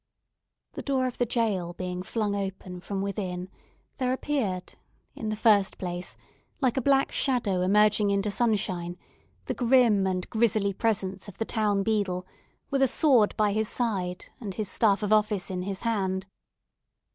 The door of the jail being flung open from within there appeared, in the first place, like a black shadow emerging into sunshine, the grim and grisly presence of the town beadle, with a sword by his side, and his staff of office in his hand.